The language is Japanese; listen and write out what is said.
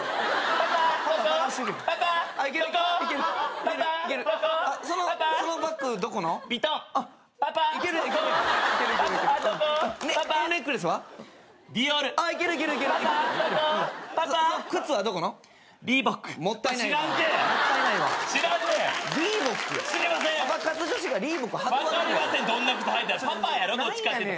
パパやろどっちかっていうと。